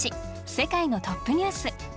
世界のトップニュース」。